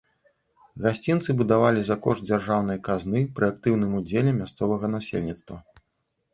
Гасцінцы будавалі за кошт дзяржаўнай казны пры актыўным удзеле мясцовага насельніцтва.